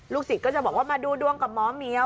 ศิษย์ก็จะบอกว่ามาดูดวงกับหมอเหมียว